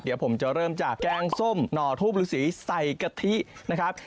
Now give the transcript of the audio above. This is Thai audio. เดี๋ยวผมจะเริ่มจากแกงส้มหน่อทูปฤษีใส่กะทินะครับ